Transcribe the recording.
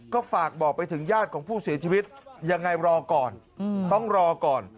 ก็ฝากบอกไปถึงญาติของผู้เสียชีวิตยังไงรอก่อนต้องรอก่อน